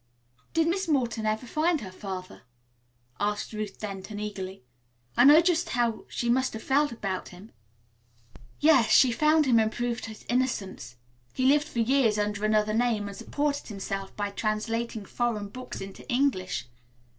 "Did Miss Morton ever find her father?" asked Ruth Denton eagerly. "I know just how she must have felt about him." "Yes, she found him and proved his innocence. He lived for years under another name and supported himself by translating foreign books into English.